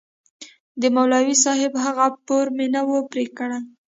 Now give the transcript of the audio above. د مولوي صاحب هغه پور مې نه و پرې کړى.